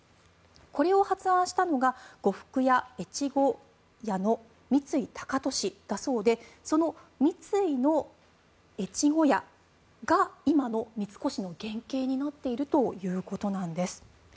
これを発案したのが呉服屋、越後屋の三井高利だそうでその三井の越後屋が今の三越の原形になっているということなんです。